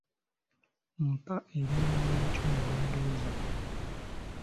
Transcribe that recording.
Mpa erinnya lya kyo mu Lungereza?